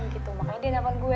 gitu makanya dia nepal gue